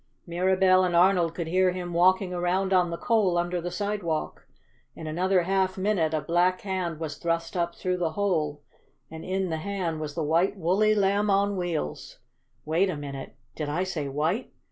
Mirabell and Arnold could hear him walking around on the coal under the sidewalk. In another half minute a black hand was thrust up through the hole, and in the hand was a white, woolly Lamb on Wheels. Wait a minute! Did I say white?